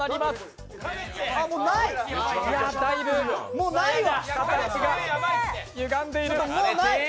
もうないわ。